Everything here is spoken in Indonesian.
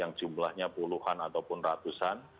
yang jumlahnya puluhan ataupun ratusan